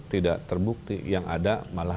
tidak terbukti yang ada malah